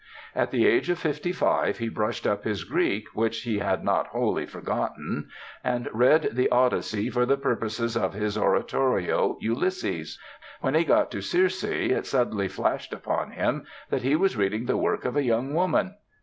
At the age of fifty five he brushed up his Greek, which he "had not wholly forgotten," and read the "Odyssey" for the purposes of his oratorio, "Ulysses." When he got to Circe it suddenly flashed upon him that he was reading the work of a young woman!